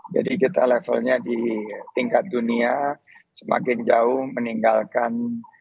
jadi kita levelnya di tingkat dunia semakin jauh meninggalkan